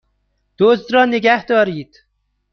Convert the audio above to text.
دزد را نگهدارید!